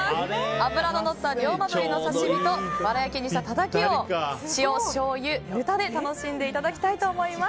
脂ののった龍馬鰤の刺し身とわら焼きにした、たたきを塩、しょうゆ、ぬたで楽しんでいただきたいと思います。